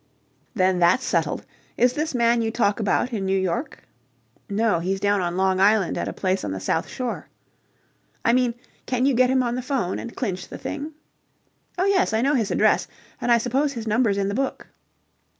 "Then that's settled. Is this man you talk about in New York?" "No, he's down on Long Island at a place on the south shore." "I mean, can you get him on the 'phone and clinch the thing?" "Oh, yes. I know his address, and I suppose his number's in the book."